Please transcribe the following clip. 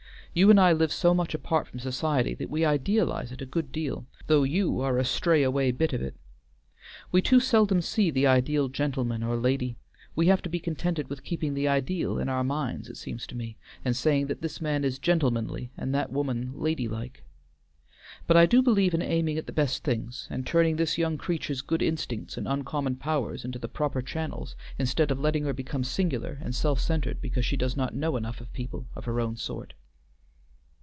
You and I live so much apart from society that we idealize it a good deal, though you are a stray away bit of it. We too seldom see the ideal gentleman or lady; we have to be contented with keeping the ideal in our minds, it seems to me, and saying that this man is gentlemanly, and that woman ladylike. But I do believe in aiming at the best things, and turning this young creature's good instincts and uncommon powers into the proper channels instead of letting her become singular and self centred because she does not know enough of people of her own sort."